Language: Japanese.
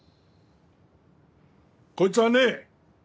こいつはね